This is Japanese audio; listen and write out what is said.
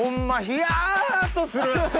冷やっとする。